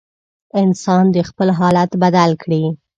انسان دې خپل حالت بدل کړي.